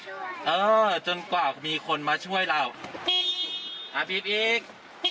มาช่วยเราจนกว่ามีคนมาช่วยเราอีกอีก